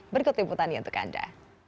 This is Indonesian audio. berikut inputannya untuk anda